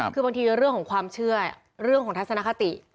คือบางทีเรื่องของความเชื่อเรื่องของทัศนคติ